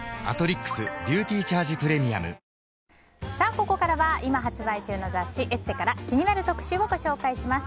ここからは今発売中の雑誌「ＥＳＳＥ」から気になる特集をご紹介します。